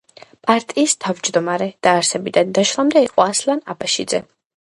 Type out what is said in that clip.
პარტიის თავმჯდომარე დაარსებიდან დაშლამდე იყო ასლან აბაშიძე.